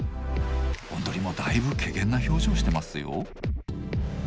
おんどりもだいぶけげんな表情してますよ。